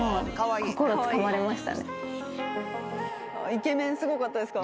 イケメンすごかったですか？